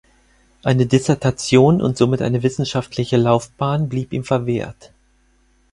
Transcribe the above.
Eine Dissertation und somit eine wissenschaftliche Laufbahn blieb ihm verwehrt.